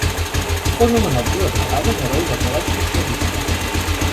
Fou nomenat dues vegades Heroi del Treball Socialista.